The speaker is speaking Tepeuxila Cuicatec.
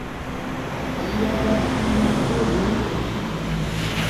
Diya bea ama yuduu ñeʼëñ.